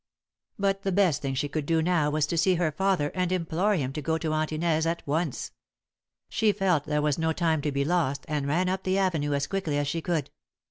But the best thing she could do now was to see her father and implore him to go to Aunt Inez at once. She felt there was no time to be lost, and ran up the avenue as quickly as she could.